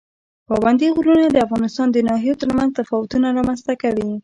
پابندی غرونه د افغانستان د ناحیو ترمنځ تفاوتونه رامنځ ته کوي.